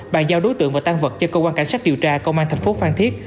bàn giao đối tượng và tăng vật cho công an cảnh sát điều tra công an thành phố phan thiết